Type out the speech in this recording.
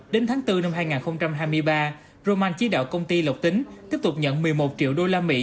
đến tháng bốn năm hai nghìn hai mươi ba roman chỉ đạo công ty lộc tính tiếp tục nhận một mươi một triệu usd